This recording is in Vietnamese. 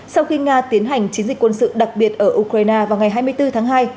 sau khi nga tiến hành chiến dịch quân sự đặc biệt ở ukraine vào ngày hai mươi bốn tháng hai